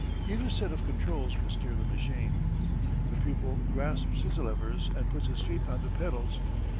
Either set of controls will steer the machine. The pupil grasps his levers, and puts his feet on the pedals.